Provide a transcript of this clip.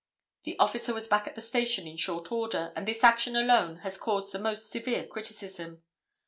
The officer was back at the station in short order, and this action alone has caused the most severe criticism.